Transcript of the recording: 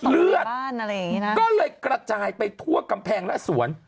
เลือดก็เลยกระจายไปทั่วกำแพงและสวน